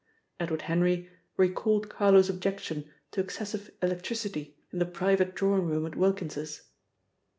Edward Henry recalled Carlo's objection to excessive electricity in the private drawing room at Wilkins's.